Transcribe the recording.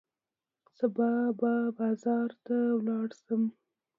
سبا به بازار ته لاړ شم.